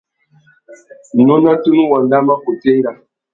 Nôna tunu wanda a mà kutu enga.